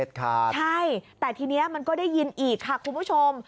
ใช่แต่ทีนี้มันก็ได้ยินอีกค่ะคุณผู้ชม